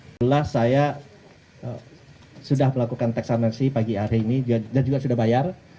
setelah saya sudah melakukan tax amnesti pagi hari ini dan juga sudah bayar